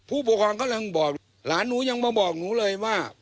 ผู้ปกครองกำลังบอกหลานหนูยังมาบอกหนูเลยว่า